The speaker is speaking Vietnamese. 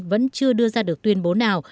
vẫn chưa đưa ra được tuyên bố nào